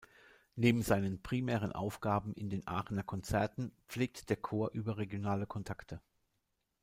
Neben seinen primären Aufgaben in den Aachener Konzerten pflegt der Chor überregionale Kontakte.